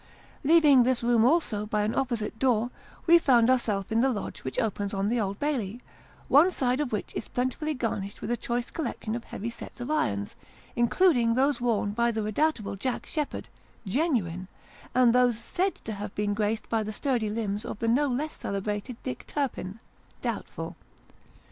Leaving this room also, by an opposite door, we found ourself in the lodge which opens on the Old Bailey ; one side of which is plentifully garnished with a choice col lection of heavy sets of irons, including those worn by the redoubtable Jack Sheppard genuine ; and those said to have been graced by the sturdy limbs of the no less celebrated Dick Turpin doubtful.